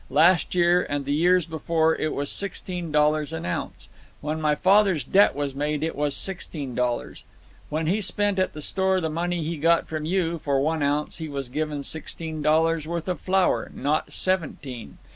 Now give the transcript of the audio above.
Last year, and the years before, it was sixteen dollars an ounce. When my father's debt was made, it was sixteen dollars. When he spent at the store the money he got from you, for one ounce he was given sixteen dollars' worth of flour, not seventeen.